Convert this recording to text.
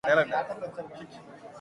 అరసి చేయువాని వరియించు సంపదల్